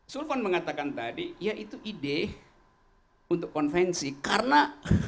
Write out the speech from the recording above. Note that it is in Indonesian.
sulfon mengatakan tadi ya itu ide untuk konvensi karena